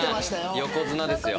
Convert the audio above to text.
横綱ですよ。